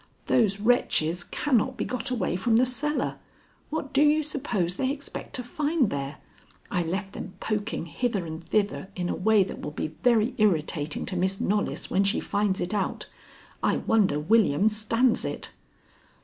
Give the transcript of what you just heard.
Those wretches cannot be got away from the cellar. What do you suppose they expect to find there? I left them poking hither and thither in a way that will be very irritating to Miss Knollys when she finds it out. I wonder William stands it."